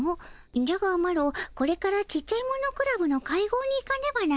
じゃがマロこれからちっちゃいものクラブの会合に行かねばならぬでの。